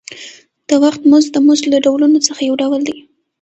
د وخت مزد د مزد له ډولونو څخه یو ډول دی